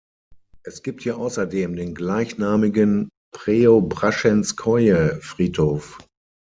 Es gibt hier außerdem den gleichnamigen Preobraschenskoje-Friedhof.